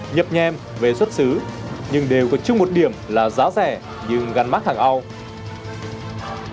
nhập nhem về xuất xứ nhưng đều có chung một điểm là giá rẻ nhưng gắn mát hàng ao